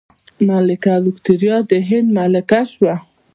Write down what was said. ملکه ویکتوریا د هند ملکه شوه.